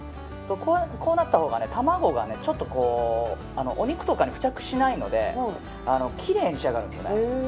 こうなったほうが卵が、ちょっとお肉とかに付着しないのできれいに仕上がるんですよね。